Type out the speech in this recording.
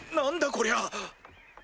こりゃ。